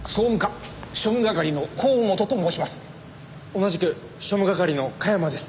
同じく庶務係の加山です。